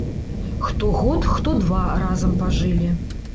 Хто год, хто два разам пажылі.